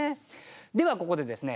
ではここでですね